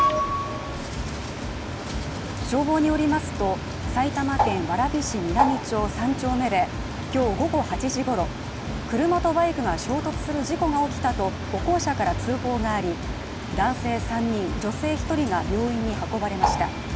消防によりますと、埼玉県蕨市南町３丁目で今日午後８時ごろ、車とバイクが衝突する事故が起きたと歩行者から通報があり、男性３人、女性１人が病院に運ばれました。